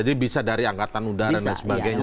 jadi bisa dari angkatan udara dan sebagainya